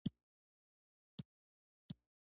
ښېرار: احمده! ستا ګټه دې په اور پسې شي.